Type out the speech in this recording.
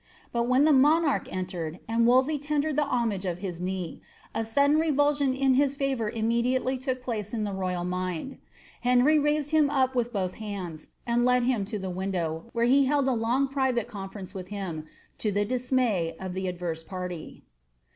But when the monarch entered, and Wolsey ■(ndered the homage of his knee, a sudden revulsion in hia favour evi ilFnily look place in the royal mind. Henry raised him up with both huids, and led him lo the window, where he held a long private confer toee with him, to the dismay of the adverse party.